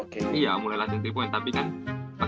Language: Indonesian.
kan udah mulai ben jadi kayak